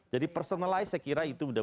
personalize saya kira itu sudah